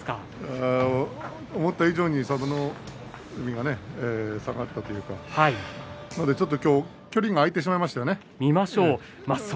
思った以上に佐田の海は下がったというか今日は距離が空いてしまいました。